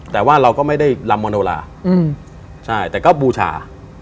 แต่ว่าเราก็ไม่ได้ลำมโนลาใช่แต่ก็บูชา